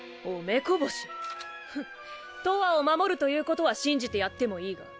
フンとわを護るということは信じてやってもいいが。